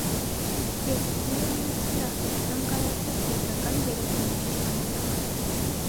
Ելույթներ է ունեցել արտերկրում կայացած հայկական երեկոների ժամանակ։